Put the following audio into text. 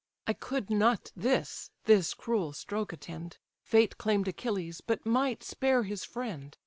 I could not this, this cruel stroke attend; Fate claim'd Achilles, but might spare his friend.